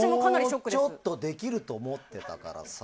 もうちょっとできると思ってたからさ。